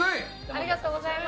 ありがとうございます。